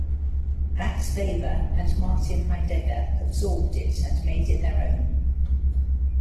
Max Weber and Martin Heidegger absorbed it and made it their own.